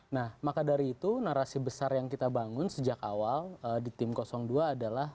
nah maka dari itu narasi besar yang kita bangun sejak awal di tim dua adalah